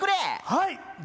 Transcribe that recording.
はい！